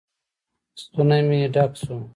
ستونى مې ډک سو.